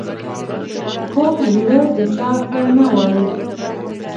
کوږ زړه د چا ښه نه غواړي